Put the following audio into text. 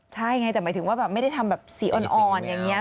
ใช่ไงแต่หมายถึงว่าแบบไม่ได้ทำแบบสีอ่อนอย่างนี้